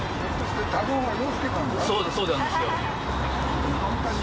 そうなんですよ。